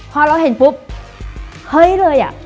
พอเราเห็นปุ๊บเฮ้ยเลยอ่ะ